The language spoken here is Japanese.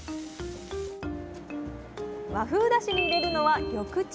和風だしに入れるのは緑茶。